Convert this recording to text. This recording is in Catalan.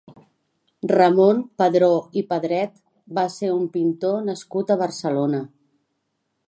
Ramon Padró i Pedret va ser un pintor nascut a Barcelona.